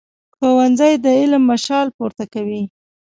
ښوونځی د علم مشال پورته کوي